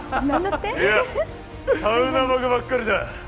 いや、サウナバカばっかりだ。